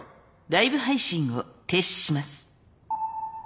ライブ配信を停止します。